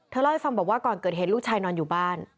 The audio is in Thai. เล่าให้ฟังบอกว่าก่อนเกิดเหตุลูกชายนอนอยู่บ้าน